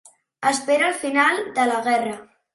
Espera el final de la guerra.